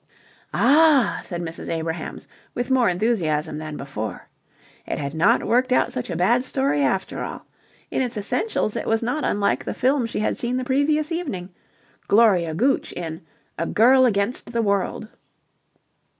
"Ah!" said Mrs. Abrahams, with more enthusiasm than before. It had not worked out such a bad story after all. In its essentials it was not unlike the film she had seen the previous evening Gloria Gooch in "A Girl against the World."